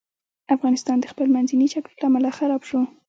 افغانستان د خپل منځي جګړو له امله خراب سو.